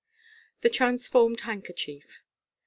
The Transformed Handkerchief.